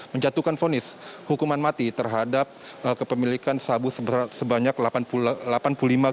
menjatuhkan fonis hukuman mati terhadap kepemilikan sabu sebanyak lapan